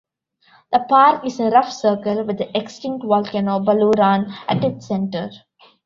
The park is a rough circle, with the extinct volcano, Baluran, at its centre.